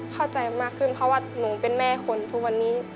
เข้าใจมากขึ้นเพราะว่าหนูเป็นแม่คนทุกวันนี้